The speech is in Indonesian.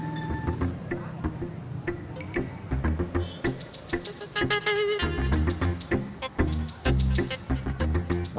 bapak tau tulisan ini pak